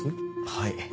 はい。